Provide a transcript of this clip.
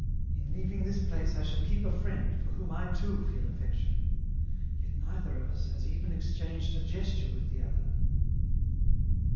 " In leaving this place, I shall keep a friend, for whom I too feel affection ; yet neither of us has even exchanged a gesture with the other.